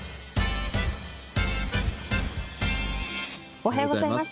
おはようございます。